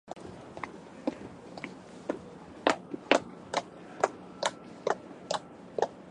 パソコンの調子が悪くなってきた。